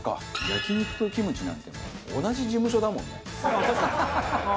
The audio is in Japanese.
焼肉とキムチなんて同じ事務所だもんね。